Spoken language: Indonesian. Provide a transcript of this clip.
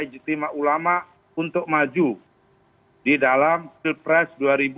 perintah ijitima ulama untuk maju di dalam pilpres dua ribu dua puluh empat